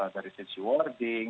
dari sisi wording